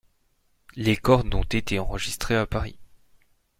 Les cordes ont été enregistrées à Paris.